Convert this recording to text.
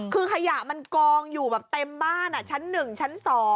คือขยะมันกองอยู่แบบเต็มบ้านชั้น๑ชั้น๒